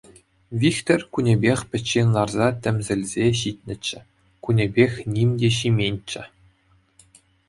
Вихтӗр кунӗпех пӗччен ларса тӗмсӗлсе ҫитнӗччӗ, кунӗпех ним те ҫименччӗ.